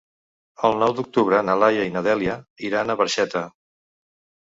El nou d'octubre na Laia i na Dèlia iran a Barxeta.